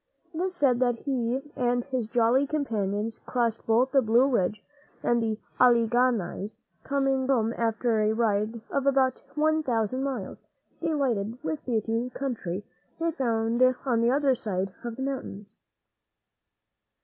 It is said that he and his jolly companions crossed both the Blue Ridge and the Al´le gha nies, coming home after a ride of about one thousand miles, delighted with the beautiful country they had found on the other side of the mountains.